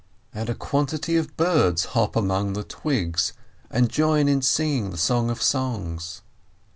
And a quantity of birds hop among the twigs and join in singing the Song of Songs.